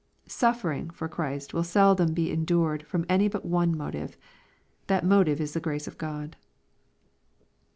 Suffering tor Christ will seldom be endured from any but one motive. That motive is the grace of God.